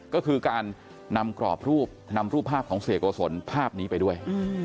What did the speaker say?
ก็คือการนำกรอบรูปนำรูปภาพของเสียโกศลภาพนี้ไปด้วย